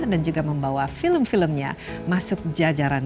dan juga membawa film filmnya masuk jajaran